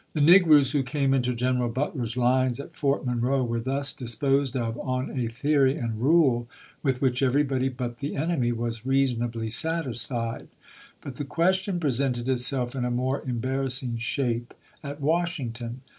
The negroes who came into General Butler's lines at Fort Monroe were thus disposed of on a theory and rule with which everybody but the en emy was reasonably satisfied. But the question presented itself in a more embarrassing shape at Washington.